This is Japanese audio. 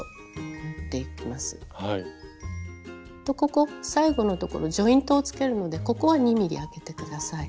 ここ最後のところジョイントをつけるのでここは２ｍｍあけて下さい。